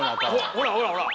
ほらほらほら！